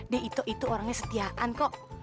dek ito itu orangnya setiaan kok